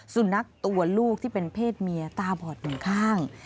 สุนัขตัวลูกที่เป็นเพศเมียตาบอดหนึ่งข้าง